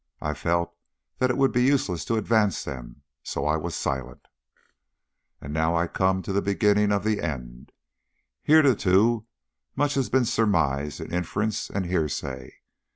I felt that it would be useless to advance them, so I was silent. And now I come to the beginning of the end. Hitherto much has been surmise and inference and hearsay.